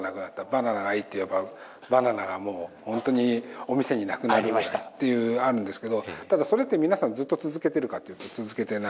「バナナがいい」って言えばバナナがもうほんとにお店になくなりましたっていうあるんですけどただそれって皆さんずっと続けてるかっていうと続けてないと思いますね。